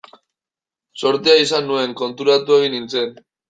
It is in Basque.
Zortea izan nuen, konturatu egin nintzen.